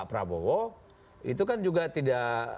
prabowo itu kan juga tidak